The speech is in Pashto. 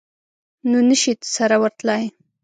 نو نه شي سره ورتلای.